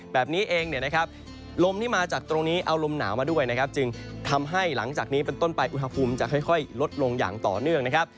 แบบนี้เองเนี่ยนะครับลมที่มาจากตรงนี้เอาลมหนาวมาด้วยนะครับจึงทำให้หลังจากนี้เป็นต้นไปอุณหภูมิจะค่อยลดลงอย่างต่อเนื่องนะครับ